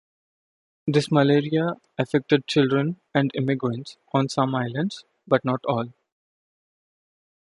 This malaria affected children and immigrants on some islands but not all.